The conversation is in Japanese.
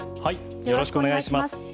よろしくお願いします。